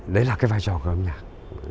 đấy là cái vai trò của âm nhạc